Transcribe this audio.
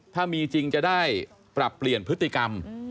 ถ้ามีจริงจะได้ปรับเปลี่ยนพฤติกรรม